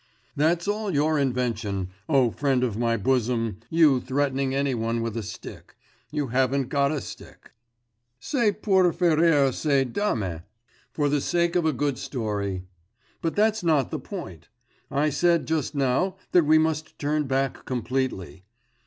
'That's all your invention, O friend of my bosom.... You threatening any one with a stick.... You haven't got a stick. C'est pour faire rire ces dames. For the sake of a good story. But that's not the point. I said just now that we must turn back completely.